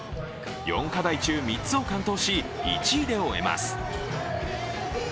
４課題中、３つを完登し、１位で終えます。